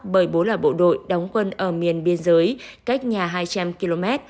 bởi bố là bộ đội đóng quân ở miền biên giới cách nhà hai trăm linh km